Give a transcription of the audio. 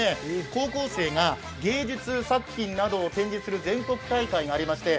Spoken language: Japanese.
高校生が芸術作品などを展示する全国大会がありまして